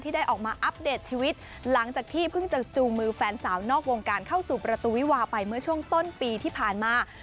ได้ออกมาอัปเดตชีวิตหลังจากที่เพิ่งจะจูงมือแฟนสาวนอกวงการเข้าสู่ประตูวิวาไปเมื่อช่วงต้นปีที่ผ่านมา